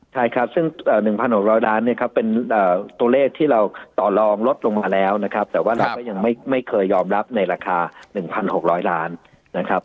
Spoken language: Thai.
ใช่ครับซึ่ง๑๖๐๐ล้านเนี่ยครับเป็นตัวเลขที่เราต่อลองลดลงมาแล้วนะครับแต่ว่าเราก็ยังไม่เคยยอมรับในราคา๑๖๐๐ล้านนะครับ